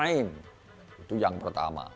itu yang pertama